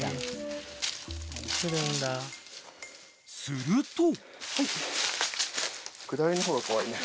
［すると］